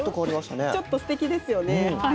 ちょっとすてきですよね。